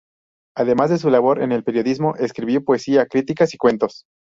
Además de su labor en el periodismo, escribió poesía, críticas y cuentos.